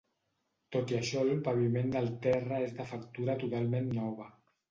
Tot i això el paviment del terra és de factura totalment nova.